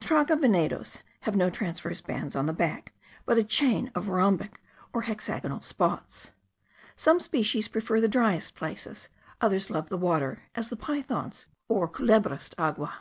The traga venados have no transverse bands on the back, but a chain of rhombic or hexagonal spots. Some species prefer the driest places; others love the water, as the pythons, or culebras de agua.